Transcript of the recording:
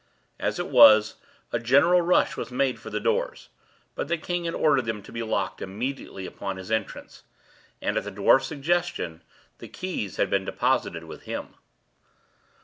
As it was, a general rush was made for the doors; but the king had ordered them to be locked immediately upon his entrance; and, at the dwarf's suggestion, the keys had been deposited with him.